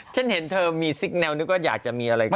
ฉันเห็นเธอมีสิคแนลเหมือนก็อยากจะมีอะไรก่อน